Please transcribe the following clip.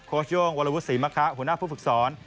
ชโย่งวรวุฒิศรีมะคะหัวหน้าผู้ฝึกสอน